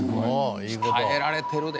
鍛えられてるで。